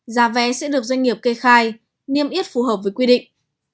giá vé sẽ được doanh nghiệp kê khai niêm yết phù hợp với quy định